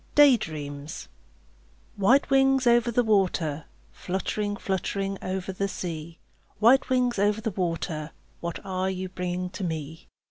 DAY DREAMS White wings over the water, Fluttering, fluttering over the sea, White wings over the water, What are you bringing to me?